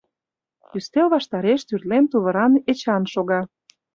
Ӱстел ваштареш тӱрлем тувыран Эчан шога.